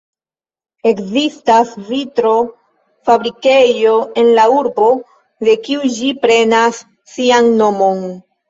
Ekzistas vitro-fabrikejo en la urbo, de kiu ĝi prenas sian nomon.